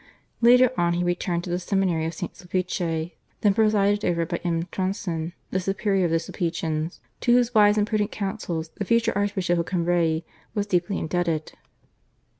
Later on he returned to the seminary of Saint Sulpice then presided over by M. Tronson the superior of the Sulpicians, to whose wise and prudent counsels the future Archbishop of Cambrai was deeply indebted.